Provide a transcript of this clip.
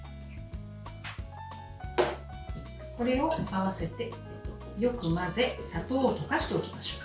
これを合わせて、よく混ぜ砂糖を溶かしておきましょう。